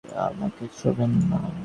আমাকে ছোঁবেন না!